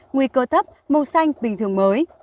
nguy cơ thấp màu xanh bình thường mới